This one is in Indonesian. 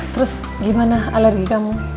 terus gimana alergi kamu